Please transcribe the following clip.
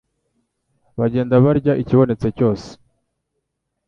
bagenda barya ikibonetse cyose.